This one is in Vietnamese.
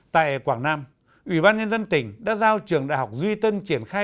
tại quảng nam ủy ban nhân dân tỉnh đã giao trường đại học duy tân triển khai